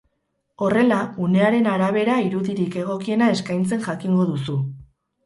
Horrela, unearen arabera irudirik egokiena eskaintzen jakingo duzu.